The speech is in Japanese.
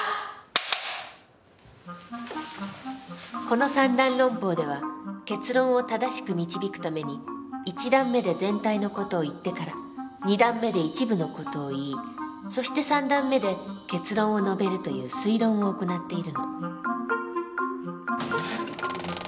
この三段論法では結論を正しく導くために一段目で全体の事を言ってから二段目で一部の事を言いそして三段目で結論を述べるという推論を行っているの。